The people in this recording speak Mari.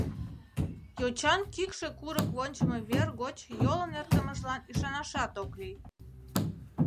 Йочан кӱкшӧ курык вончымо вер гоч йолын эртымыжлан ӱшанашат ок лий.